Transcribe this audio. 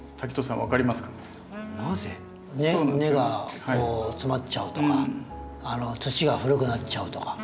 なぜ？根がこう詰まっちゃうとか土が古くなっちゃうとか。